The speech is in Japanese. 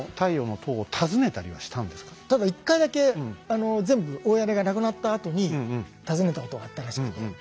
ただ１回だけあの全部大屋根がなくなったあとに訪ねたことがあったらしくて。